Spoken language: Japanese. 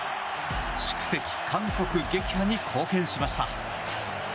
宿敵・韓国撃破に貢献しました。